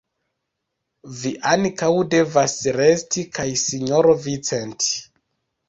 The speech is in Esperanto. Vi ankaŭ devas resti, kaj sinjoro Vincent.